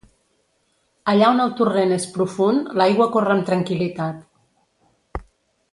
Allà on el torrent és profund, l'aigua corre amb tranquil·litat.